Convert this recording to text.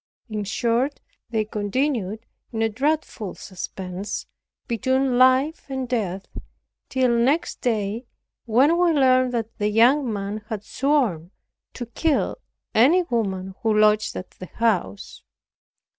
In short they continued in a dreadful suspense, between life and death, till next day, when we learned that the young man had sworn to kill any woman who lodged at the house.